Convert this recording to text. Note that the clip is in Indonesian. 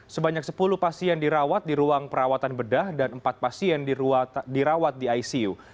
sebanyak sepuluh pasien dirawat di ruang perawatan bedah dan empat pasien dirawat di icu